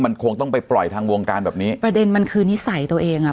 มันคงต้องไปปล่อยทางวงการแบบนี้ประเด็นมันคือนิสัยตัวเองอ่ะ